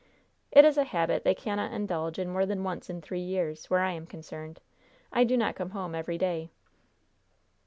"It is a habit they cannot indulge in more than once in three years, where I am concerned. I do not come home every day."